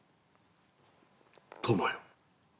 友よ。